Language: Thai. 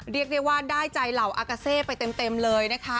เรียกได้ว่าได้ใจเหล่าอากาเซไปเต็มเลยนะคะ